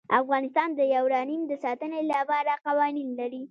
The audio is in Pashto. افغانستان د یورانیم د ساتنې لپاره قوانین لري.